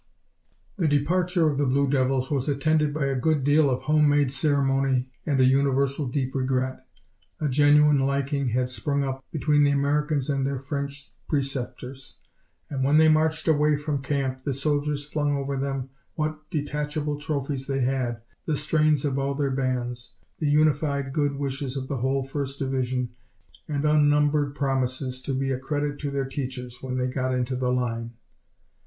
The departure of the Blue Devils was attended by a good deal of home made ceremony and a universal deep regret. A genuine liking had sprung up between the Americans and their French preceptors, and when they marched away from camp the soldiers flung over them what detachable trophies they had, the strains of all their bands, the unified good wishes of the whole First Division, and unnumbered promises to be a credit to their teachers when they got into the line.